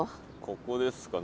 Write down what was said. ここですか。